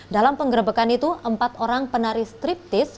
dalam penggerebekan itu empat orang penari striptis